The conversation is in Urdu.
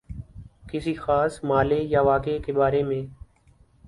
کسی خاص مألے یا واقعے کے بارے میں